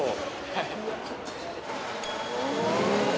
はい。